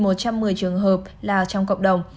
một trăm một mươi trường hợp là trong cộng đồng